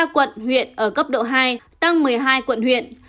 hai mươi ba quận huyện ở cấp độ hai tăng một mươi hai quận huyện